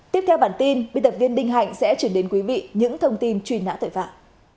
tiếp theo bản tin biên tập viên đinh hạnh sẽ chuyển đến quý vị những thông tin truy nã tội phạm